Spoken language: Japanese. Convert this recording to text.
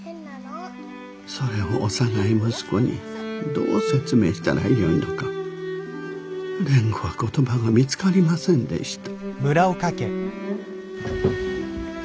それを幼い息子にどう説明したらよいのか蓮子は言葉が見つかりませんでした。